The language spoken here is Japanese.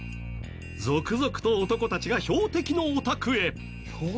続々と男たちが標的のお宅へ。